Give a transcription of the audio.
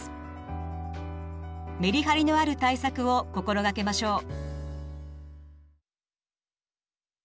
メリハリのある対策を心がけましょう。